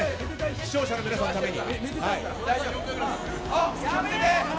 視聴者の皆さんのために。